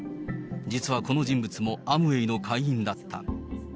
実はこの人物もアムウェイの会員だった。